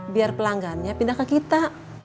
biar pelanggannya pindah ke kita